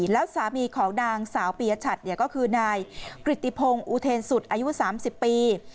แล้วสามีของนางสาวปียชัดก็คือนายกริติพงศ์อุเทนสุดอายุ๓๐ปี